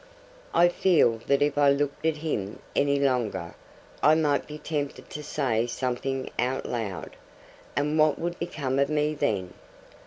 I feel that if I looked at him any longer, I might be tempted to say something out loud; and what would become of me then!